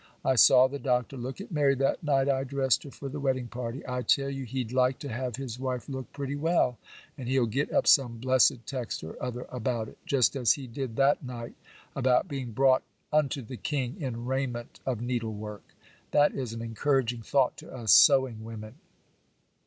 I saw the Doctor look at Mary that night I dressed her for the wedding party. I tell you he'd like to have his wife look pretty well, and he'll get up some blessed text or other about it, just as he did that night about being brought unto the king in raiment of needle work. That is an encouraging thought to us sewing women.